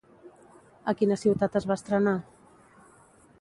A quina ciutat es va estrenar?